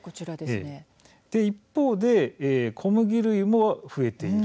一方で小麦類も増えている。